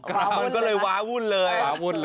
ก็เลยว้าวุ่นเลย